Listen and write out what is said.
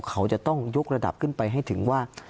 เขาจะต้องยกระดับขึ้นไปให้ถึงว่า